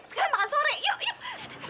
sekarang makan sore yuk yuk